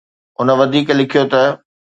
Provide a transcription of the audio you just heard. هن وڌيڪ لکيو ته